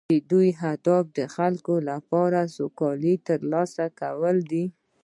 د دوی هدف د خلکو لپاره سوکالي ترلاسه کول دي